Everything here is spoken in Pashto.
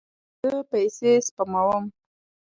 زه پیسې سپموم